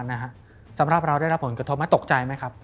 สำหรับเราได้รับผลกระทบไหมตกใจไหมครับ